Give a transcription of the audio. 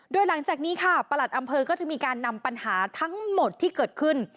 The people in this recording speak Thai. โดยหลังจากนี้ค่ะประหลัดอำเภอก็จะมีการนำปัญหาทั้งหมดที่เกิดขึ้น